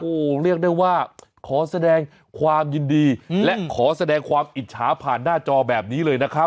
โอ้โหเรียกได้ว่าขอแสดงความยินดีและขอแสดงความอิจฉาผ่านหน้าจอแบบนี้เลยนะครับ